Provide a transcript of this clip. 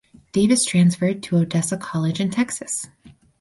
Davis transferred to Odessa College in Texas.